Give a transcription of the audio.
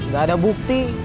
gak ada bukti